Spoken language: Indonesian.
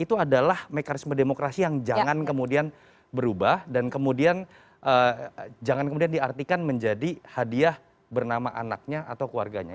itu adalah mekanisme demokrasi yang jangan kemudian berubah dan kemudian jangan kemudian diartikan menjadi hadiah bernama anaknya atau keluarganya